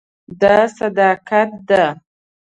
دا صداقت ده.